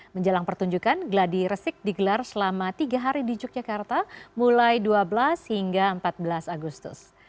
menjelang pertunjukan geladi resik digelar selama tiga hari di yogyakarta mulai dua belas hingga empat belas agustus